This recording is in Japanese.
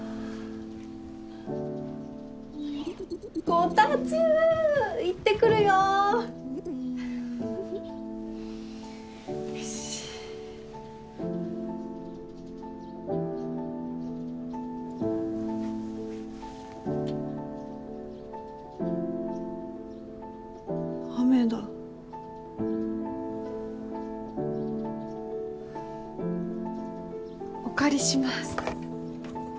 コタツ行ってくるよよしっ雨だお借りします